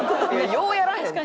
ようやらへんって。